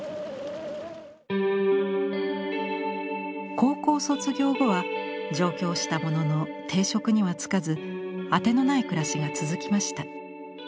高校を卒業後は上京したものの定職には就かず当てのない暮らしが続きました。